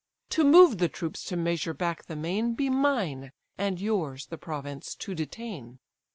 To move the troops to measure back the main, Be mine; and yours the province to detain."